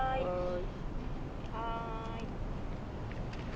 はい。